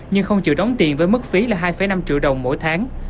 nhưng không chịu đóng tiền với mức phí là hai năm triệu đồng mỗi tháng